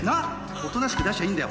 大人しく出しゃいいんだよ。